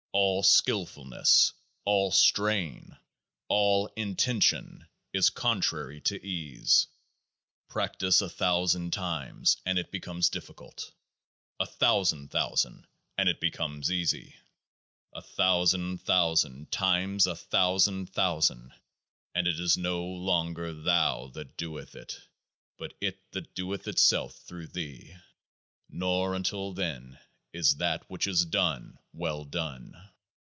All skillfulness, all strain, all intention is con trary to ease. Practise a thousand times, and it becomes difficult ; a thousand thousand, and it be comes easy ; a thousand thousand times a thousand thousand, and it is no longer Thou that doeth it, but It that doeth itself through thee. Not until then is that which is done well done.